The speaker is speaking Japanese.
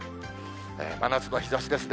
真夏の日ざしですね。